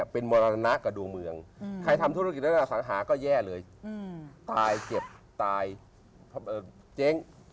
เป็นมรณะกับดวงเมืองใครทำธุรกิจด้านอสังหาก็แย่เลยตายเจ็บตายเจ๊ง